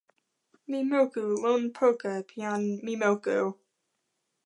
mi moku lon poka pi jan Mimoku.